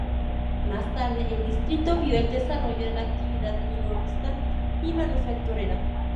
Más tarde, el distrito vio el desarrollo de la actividad minorista y manufacturera.